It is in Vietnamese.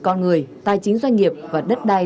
con người tài chính doanh nghiệp và đất đai